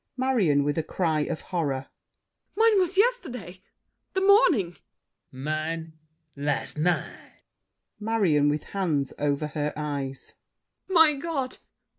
MARION (with a cry of horror). Mine was yesterday— The morning! LAFFEMAS. Mine, last night! MARION (with hands over her eyes). My God!